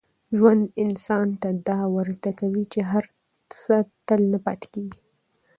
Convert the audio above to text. ژوند انسان ته دا ور زده کوي چي هر څه تل نه پاتې کېږي.